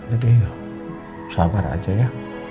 jadi sabar aja ya